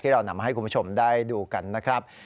เรานำมาให้คุณผู้ชมได้ดูกันนะครับ